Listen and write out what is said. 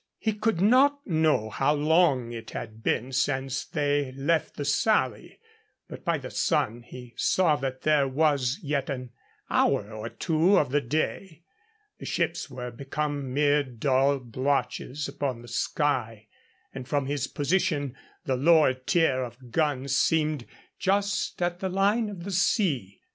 He could not know how long it had been since they left the Sally, but by the sun he saw that there was yet an hour or two of the day. The ships were become mere dull blotches upon the sky, and from his position the lower tier of guns seemed just at the line of the sea.